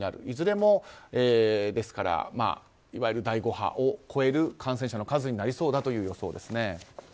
いずれも、ですからいわゆる第５波を超える感染者の数になりそうだという予想ですね。